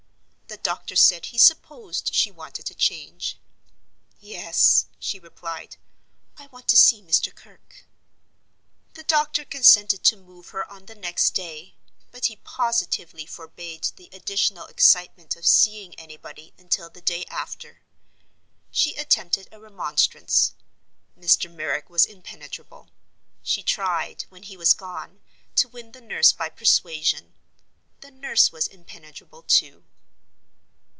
The doctor said he supposed she wanted a change. "Yes," she replied; "I want to see Mr. Kirke." The doctor consented to move her on the next day, but he positively forbade the additional excitement of seeing anybody until the day after. She attempted a remonstrance—Mr. Merrick was impenetrable. She tried, when he was gone, to win the nurse by persuasion—the nurse was impenetrable, too.